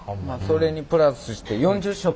それにプラスして４０色。